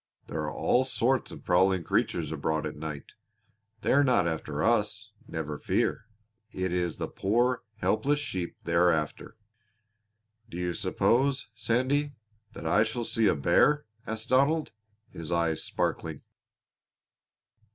"There are all sorts of prowling creatures abroad at night. They are not after us never fear. It is the poor, helpless sheep they are after." "Do you suppose, Sandy, that I shall see a bear?" asked Donald, his eyes sparkling.